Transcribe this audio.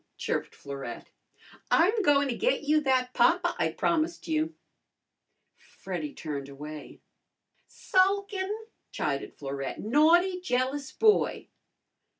chirped Florette. "I'm goin' to get you that papa I promised you." Freddy turned away. "Sulkin'!" chided Florette. "Naughty, jealous boy!"